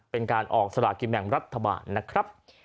เป็นการออกสลากินแบ่งรัฐบาลนะครับ